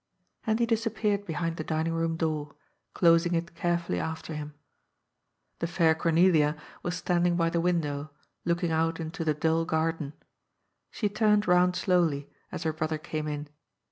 And he disappeared behind the dining room door, closing it carefully after him. The fair Cornelia was standing by the window, looking out into the dull garden. She turned round slowly, as her brother came in.